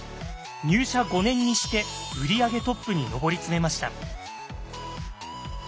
入社５年にして売り上げトップに上り詰めました。